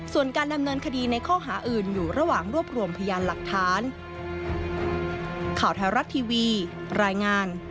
ส่วนการดำเนินคดีในข้อหาอื่นอยู่ระหว่างรวบรวมพยานหลักฐาน